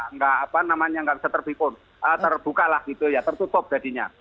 nggak apa namanya nggak bisa terbuka lah gitu ya tertutup jadinya